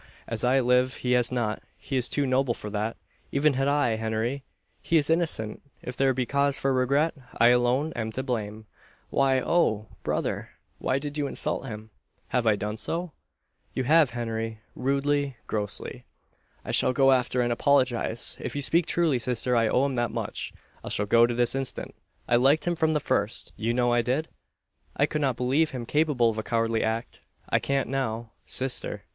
As I live he has not. He is too noble for that even had I Henry! he is innocent! If there be cause for regret, I alone am to blame. Why oh! brother! why did you insult him?" "Have I done so?" "You have, Henry rudely, grossly." "I shall go after, and apologise. If you speak truly, sister, I owe him that much. I shall go this instant. I liked him from the first you know I did? I could not believe him capable of a cowardly act. I can't now. Sister!